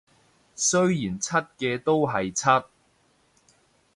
雖然柒嘅都係柒